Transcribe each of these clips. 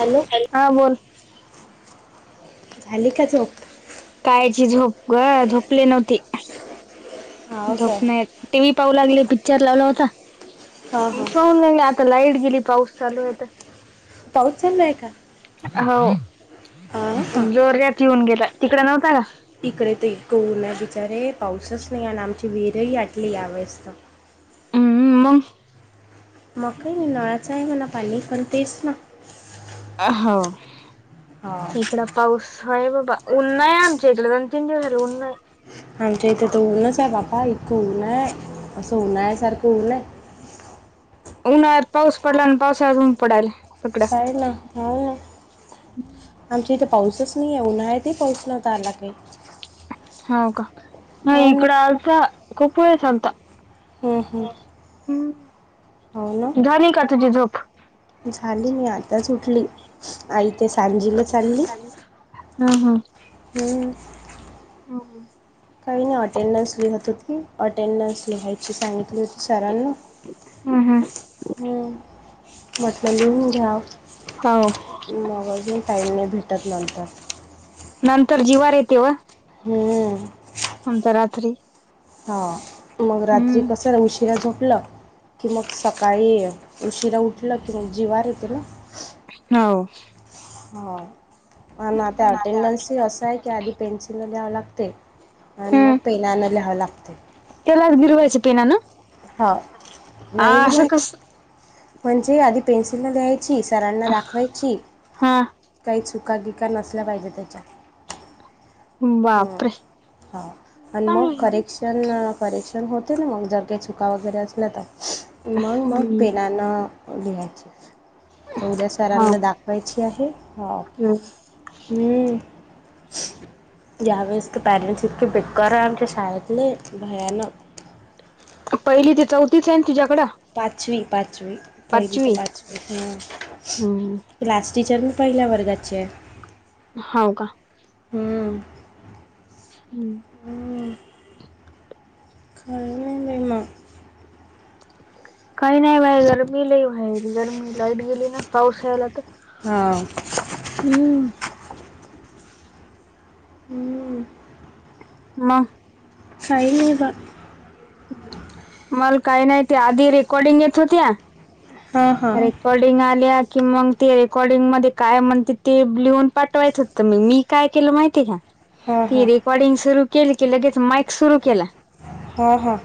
Hello. हा बोल. झाली का झोप? कायची झोप ग. झोपली नव्हती. हा झोप काय नाही येत. टी व्ही पाहू लागले. पिक्चर लावला होता. हा हा पाहू लागले. आता लाईट गेली. पाऊस चालू आहे तर. पाऊस चालूय का? हा. हा हा जोरात येऊन गेला. तिकड नव्हता का? इकडे ते इतका ऊन आहे बिचारे. पाऊसच नाही आला आणि आमची विहिर ही आटली यावेेळेस तर. हू हू मग. मग काही नाही. नळाच आहे म्हणा पाणी पण तेच ना. आ. हो. हा इकड पाऊस आहे बाबा. उन्हाळा आहे आमच्या इकड. दोन- तीन दिवस झाले ऊन आहे. आमच्या इथे तर ऊनच आहे बाबा. इतकं ऊन आहे. असं उन्हाळ्या सारखं ऊन हाय. उन्हाळ्यात पाऊस पडला आणि पावसाळ्यात ऊन पडायल इकडं. काय ना. हो ना. आमच्या इथे पाऊसच नाही आहे. उन्हाळ्यातही पाऊस नव्हता आला काही. हो का. हो नाही ना इकड आलता. खूप वेळेस आलता. हं, हं. हो ना हम्. झाली का तुझी झोप. झाली. मी आताच उठली आई ते सांजीला चालली. हम हम. हुं. हो. काही नाही अटेंडन्स लिहत होती, अटेंडन्स लिहायची सांगितली होती सरांनी. हम हम म्हटलं लिहून घ्याव, हो मग आजून टाईम नाही भेटत नंतर. नंतर जीवार येते व हम्म आमचं रात्री हा, मग रात्री हम्म कस उशिरा झोपलं की मग सकाळी उशिरा उठलं की मग जिवार येत ना हाव हो, पण आता अटेंडन्सही असं आहे की आधी पेन्सिलनं ल्याव लागतंय आणि मग पेनानं ल्याव्ह लागतंय त्येलाच गिरवायच पेनानं हा, नाही ग कस [unintelligible] म्हणजे आधी पेन्सिलन ल्याय ची सरांना दाखवायची, हा काही चुका-बिका नसल्या पाहिजे त्येच्यात ह बापरे! हां आणि मग करेक हम्म क्षण, करेक्षण होते ना मग जर का चुका वगैरे असल्या तर मग मग पेनानं लिहायचं तर उद्या हाव सरांना का दाखवायची आहे, हो हम्म हम्म या वेळेस पेरेंट्स इतका पिटकर हाय शाळेतले भयानक पहिली ते चौथीच हाय न तिच्याकडं? पाचवी, पाचवी पहिली तर पाचवी हम्म हम्म क्लास टीचर मी पहिल्या वर्गाची हाय. हाव का हम्म. हम्म हम्म. [unintelligible] काही नाही बाई गरमी लई व्हायली गरमी लाईट गेली ना पाऊस यायला तर [unintelligible] हम्म हम्म ना काही नाही ब मला काही नाही ते, आधी रेकॉर्डिंग येत होत्या हां हां रेकॉर्डिंग आल्या कि मग ते रेकॉर्डिंग मध्ये काय म्हणते ते लिहून पाठवायत होते तर मग मी काय केलं माहितीय का? हां ती हां रेकॉर्डिंग सुरु केली की लगेच माइक सुरू केला. हा हा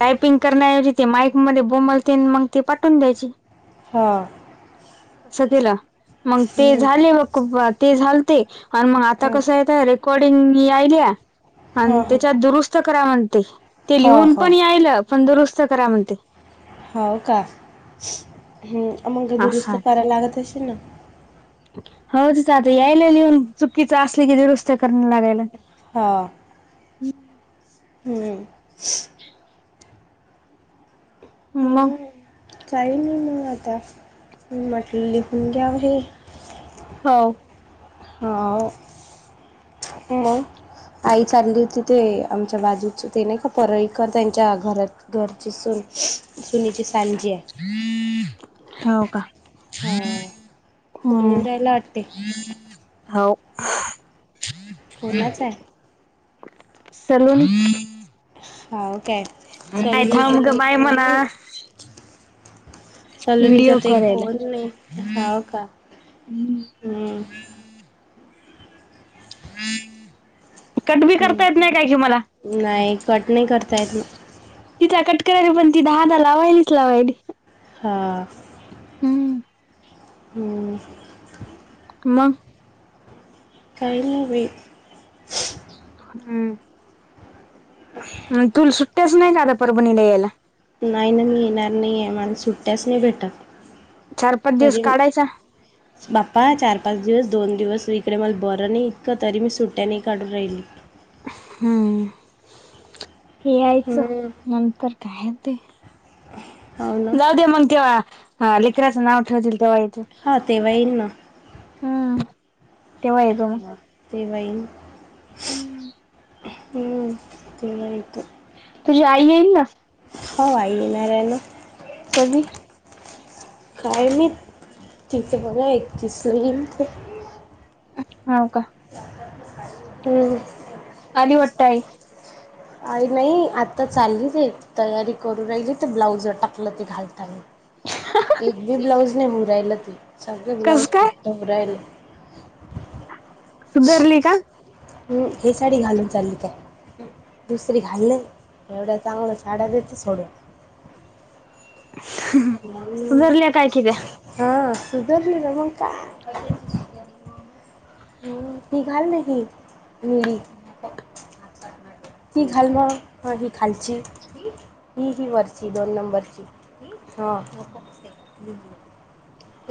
टायपिंग करण्याऐवजी ते माईक मध्ये बोमलते मग ती पाठवून द्यायची. हा तस तिला, मंग ते हं, झाले बघ [unintelligible] ते झाल ते आणि मग आता हां कसं आहेेत रेकॉर्डिंग यायलिया आणि हां त्याच्यात दुरुस्त करा म्हणते. ते हां लिहून हां पण यायल, पण दुरुस्त करा म्हणते. हाव का, हम् मंग दुरुस्त करायला लागत अशील ना? हाव तिथं आता यायलय लिहून, चुकीच असले कि दुरुस्त करण लागायला हां हम्म म हं. काही नाही म आता, म्हटलं लिहून घ्याव हे. हो! हाव मंग. आई चालली होती ते आमच्या बाजूचं ते नाही का परळीकर त्यांच्या घरात घरची सुन, सुनीची सांजी आहे. हो का. हां फोन येऊ हूं! राहिला वाटते हाव कोणाचा आहे सलून. हा ओ काय नाही सालू इचा थांब ग काय बाय फोन म्हणा नही. सालूनीचा व्हिडिओ आता एक करायला. फोन नही, हावं का हूं. कट बी करता येत हम्म नाही काय कि मला. नाही कट नाही करता येत ना तिचा कटकरू राहिले पण ती दहा दा लावायलीच लावायली. हा! हूं! हूं! म! काही नही बई. हू! हू तुल सुट्ट्याच नही का आता परभणीला यायला? नाही ना मी येणार नाही आहे, माला सुट्ट्याच नाही भेटतां. चार पाच दिवस काढायचा. [inaudible] बाप्पा चार पाच दिवस दोन दिवस इकडे मला बरं नाही इतकं, तरी मी सुट्ट्या नही काढू राहिली. हू यायचं हम्म नंतर काय होतंय. हाव ना जाऊ दे मग तेव्हा हं लेकराचं नाव ठेवतील तेव्हा ये. हा तेव्हा येईन ना हं! तेव्हा येईल. [unintelligible] हू तेव्हा येतो. तुझी आई येईल ना? हो आई येणार आहे ना. कधी? काय नी तिच बरंय एकतीस ला येईल ती. हाव का? हू! आली वाटत आई. आई नही आता चाललीच ये तयारी करू राहिली त ब्लाउजं टाकलं ते घालतानी. [unintelligible] एक बी ब्लाऊज नही हु राहील ते सगळे ब्लाउज कस काय फिट्ट हू राहीले. सुधरली का? हू हे साडी घालून चाली काय? दुसरी घाल न एवढ्या चांगल्या साड्या देती सोडून. सुधरल्या काय कि त्यां. हा सुधरली ना मंग का. हू ही घाल ना ही निडी. ती घाल म हं ही खालची, ही ही वरची दोन नंबरची. हां. [unintelligible]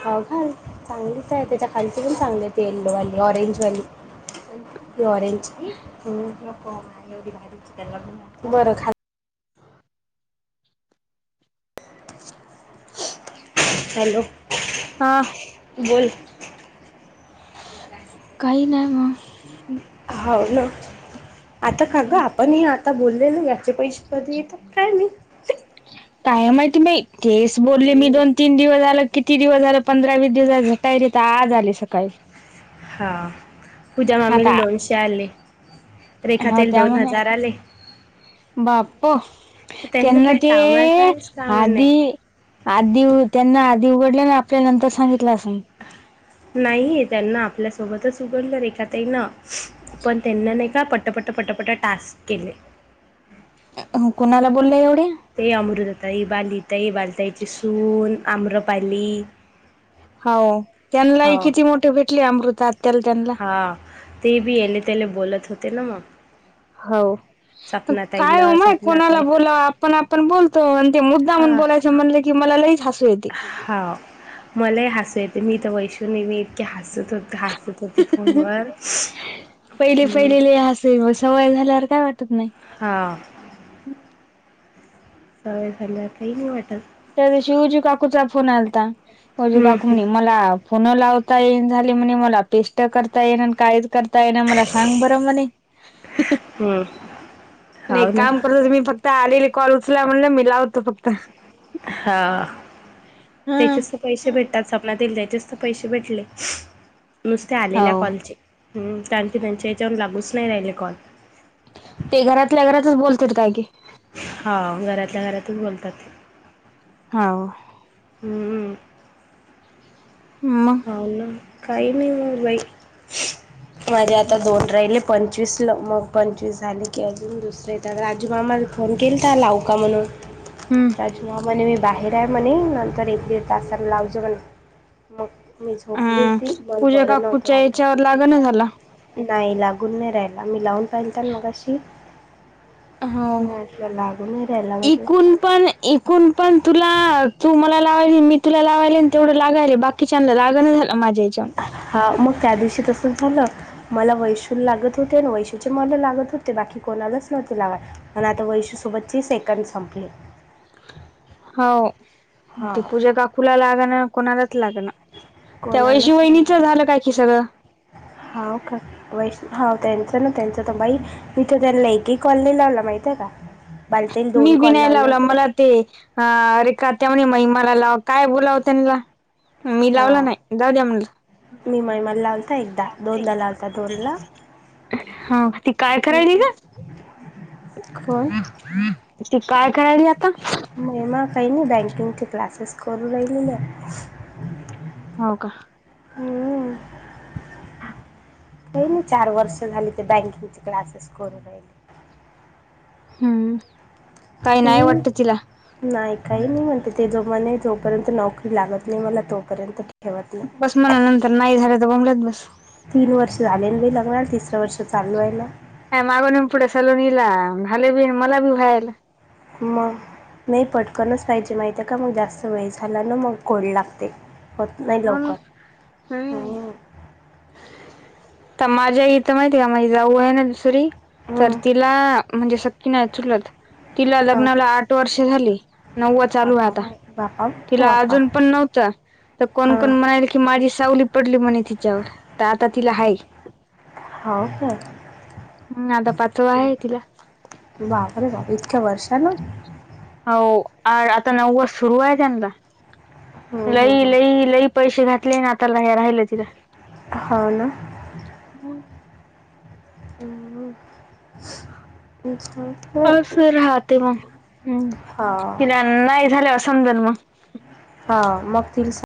चांगलीच आहे त्याच्या खालची पण चांगली आहे ते येलो वाली ऑरेंज वाली तो ऑरेंज हम्म नको मला एवढी भारी [unintelligible] बर खाल हॅलो. हा. बोल. काही नाही मग. हॅलो, आता काल ग आप पण हे आता बोलले ना याचे पैसे कधीे येतात काय माहित. काय माहिती बाई तेच बोलले मी दोन तीन दिवस झालं किती दिवस झालं पंधरा वीस दिवस झाले झटाय र तर आज आले सकाळी. हा. पूजा मामीला आता दोनशे आले, रेखाताईल दोन हजार आले. बाप्पो! त्यांना काही ते काम आहे काहीच काम नाही आधी आधी त्यांना आधी उघडल्या ना, आपल्या नंतर सांगितलं असंल. नाहीेय. त्यांना आपल्या सोबतच उघडलं रेखाताईंना, पण त्यांना नाही का पटापट पटापटा टास्क केले. अ हं कुणाला बोलल्या एवढ्या? ते अमृता ताई, बाली ताई, बाली ताईची सून, आम्रपाली हौ. हो त्यांनालाही किती मोठे भेटले, अमृता आत्याला त्यांना हा, ते बी याले, त्याले बोलत होते ना मग. हौ, सपना काय ओ ताईला माय सपना कोणाला ताई बोलावं आप पण आपण बोलतो, आणि ते मुद्दामूण हा बोलायचं म्हणलं कि मला लईच हसू येते. हौ, मलाही हसू येते. मी तर वैशू नी मी इतके हसत होत हसत होती फोनवर पहिले हम्म पहिले लई हसू येवं, सवय झाल्यावर काय वाटत नाही. हां. सवय झाल्यावर काही नाही वाटत. त्या दिवशी, उजू काकूचा फोन आलता. उजू हम्म काकू हम्म म्हणे मला फोन लावता येईन झाले म्हणे मला, पेष्ट करता येईन आणि कायच कर ताई ना मला, सांग बरं म्हणे, हम्म, हाव एक ना काम करूनच मी फक त आलेले कॉल उचला म्हणलं, मी लावतो फक्त. हा, हं त्येच्या स पैसे भेटतात सपना ताईला त्याचेच तर पैसे भेटले, नुसते हो आलेल्या कॉलचे. हम्म त्यांचे त्यांच्या हेच्यावर लागूच नाही राहिले कॉल. ते घरातल्या घरातच बोलतेत काय की. हां घरातल्या घरातच बोलतात ते. हौ. हम्म हम्म म. हावू न काही नाही मग बाई, माझे आता दोन राहिले. पंचवीस ल मग पंचवीस झाले की, अजून दुसरें येतात. राजूमामाला फोन केलता, लावू का म्हणून. [inaudible] हम्म. राजुमामा म्हणे, मी बाहेर आहे म्हणे, नंतर एक दीड तासाला लावजो म्हणे. मग, मी अ झोपली होती. मल पूजा बरं नव्हतं काकूच्या वाटत. याच्यावर लागना झाला. नाही, लागून नाही राहिला, मी लावून पाहिलतं न मघाशी. हो. मी म्हटलं, लागून नाही राहिला म्हटलं. एकून पण तुला, तू मला लावायली मी तुला लावायले. तेवढं लागायलं. बाकी बाकीच्यांना लागणं झालं, माझ्या हेच्यावून. हा. मग त्या दिवशी तसंच झालं. मला वैशुला लागत होते, आणि वैशूचे मला लागत होते. बाकी कोणालाच नव्हते लागत. आणि आता, वैशु सोबतची सेकंद संपले. हाव. हा ती पूजा काकूला लाग ना, कुणालाच लाग ना. त्या वैशू वहिनीचं झालं काय की सगळं? हाऊ का! वैशु हा. त्यांचं ना त्यांचं तर बाई, मी तर त्यांना एकही कॉल नाही लावला. माहित आहे का? बाली ताईने दोन मी बी कॉल नाही लावले लावला होते. [unintelligible] मी हा लावला नाही. जावू द्या म्हणलं. मी महिमाला लाव फक्त एकदा, लागते दोनदा एकदा लावलता बहुदा दोनला. लागते हो ती काय करायली का [unintelligible] ती काय करायली आता? महिमा ताईनं, बँंकिंगचे क्लासेस करून राहिली ना! हो का! [unintelligible] [unintelligible] तीन, चार वर्ष झाली. ते बँकिंगचे क्लासेस करून राहिले. हम्म! काही नाही वाटत तिला [unintelligible] नाही, काही नाही म्हणते, ते जो म्हणे, जोपर्यंत नोकरी लागत नाही मला तोपर्यंत ठेवत नाही [unintelligible] नंतर नाही झालं तर, बोंबलत बसं. तीन वर्ष झाले लग्नाला, तिसरं वर्ष चालू आहे ना! अ मागून पुढे सलोनीला झाले बी, मला बी व्हायला. मग! नाही, पटकनच प्यायची माहितेय का, मग जास्त वेळ झाला ना मग कडू लागते. होत नाही हो ना लवकर. हम्म! तर माझ्या इथं माहिती आहे का, माझी जाऊ आहे ना दुसरी तर हम्म. तिला म्हणजे सक्की नाही, चुलत तिला हां लग्नाला आठ वर्ष झाली नववं चालू आहे बापा आता, बापा तिला बापा अजून पण नव्हतं तर कोण, कोण हां म्हणालं की, माझी सावली पडली म्हणे तिच्यावर तर आता तिला हाय हो का हम्म आता पाचवा आहे तिला [unintelligible] बाप रे, बाप इतक्या वर्षा न हो, आता नववं सुरू आहे त्यांणला, हम्म, हम्म, लई, हम्म. लई, लई पैसे घातले ना आता लय राहिलं तिला हो ना! [unintelligible] [unintelligible] असं राहते मग, हं की, नाही झाल्याव समजेल मग हा मग त [unintelligible]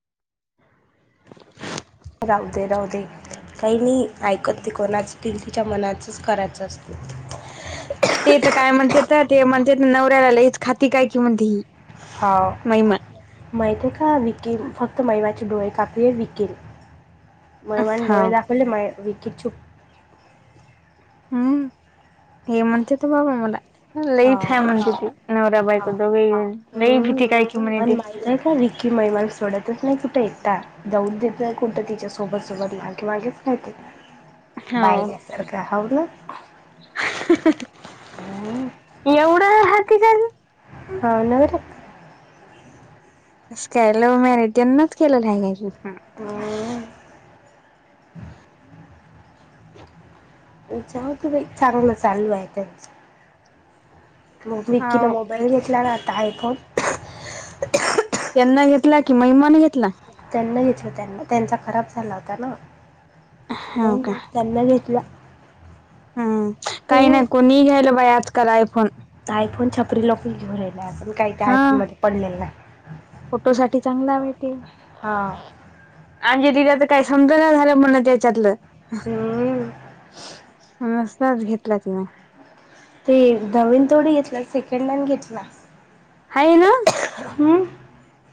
राहूदे राहूदे काही मी ऐकत ती कोणाची तिल तिच्या मनाचंच करायचं असतं ते तर काय म्हणते तर ते म्हणतेत नवऱ्याला लईच खाती काय की म्हणते ही हा महिमा माहित आहे का विकी फक्त महिमाचे डोळे कापले आहे विकी महिमाने डोळे हाव दाखवले विकी चूप हम्म हे म्हणतेेत बाबा मला हा लई छान म्हणतेती नवरा हा बायको दोघे ही जण लई भीती काय की म्हनेती नाही का विकी महिमाला सोडतच नाही कुठे एकटा जाऊचं देत नाही कुठं तिच्या सोबत सोबत मागे मागेच राहते. हाव बायल्यासारखं हव ना एवढा हाती [unintelligible] हा नाही रं असं काय लव्ह मॅरीजनंच केलेलं हाय काय कि हा जाऊदे बाई चागलं चालू हाय त्यांचं मग विकीनं हाव मोबाईल घेतला ना आता आयफोन त्यांना घेतला कि महिमानं घेतला. त्यांना घेतला त्यांना त्यांचा खराब झाला होता ना हाव का त्यांना घेतला. हम्म काही हं. नाही कोणी घ्यायला बाई आजकाल आयफोन आयफोन छपरी लोकं घेऊ राहिले आपण काही ते हा आयफोन मध्ये पडलेलो नाय फोटो साठी चांगला हाय बाई ते हा अंजलीला तर काही समज ना झालं म्हणं त्याच्यातलं हम्म. नसताच घेतला तिने ते नवीन थोडी घेतला सेकंड हँड घेतला. हाय ना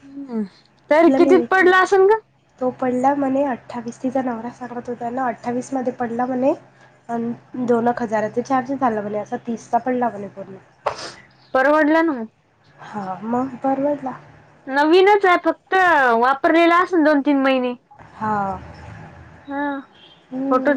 हम्म तर तिला मी कितीत विचार पडला असेल ग तो पडला म्हणे अठ्ठावीस तिचा नवरा सांगत होता ना अठ्ठावीस मध्ये पडला म्हणे अन दोन एक हजाराचा चार्ज झाला म्हणे असा तीसचा पण लागला पूर्ण परवडलं ना हा मग परवडला. नवीनच हाय फक्त वापरलेला असन दोन-तीन महिने हां हा हं. फोटोची